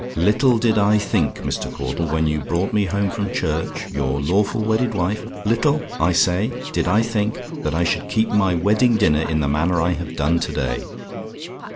Little did I think, Mr. Caudle, when you brought me home from church, your lawful wedded wife little, I say, did I think that I should keep my wedding dinner in the manner I have done to day.